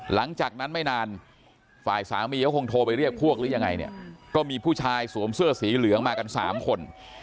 หลังจากนั้นไม่นานฝ่ายสามีเขาคงโทรไปเรียกพวกหรือยังไงเนี่ยก็มีผู้ชายสวมเสื้อสีเหลืองมากันสามคน